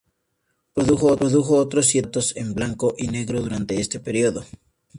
Produjo otros siete retratos en blanco y negro durante este periodo.